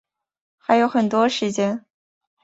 还有很多时间